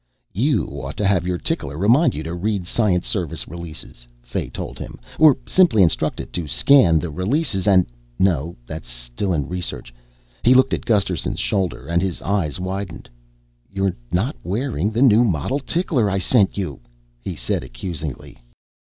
"You ought to have your tickler remind you to read Science Service releases," Fay told him. "Or simply instruct it to scan the releases and no, that's still in research." He looked at Gusterson's shoulder and his eyes widened. "You're not wearing the new model tickler I sent you," he said accusingly.